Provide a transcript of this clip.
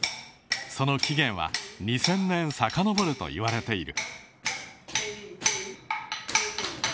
その起源は２０００年さかのぼるといわれている